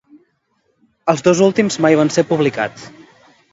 Els dos últims mai van ser publicats.